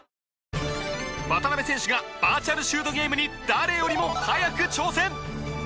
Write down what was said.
渡邊選手がバーチャルシュートゲームに誰よりも早く挑戦！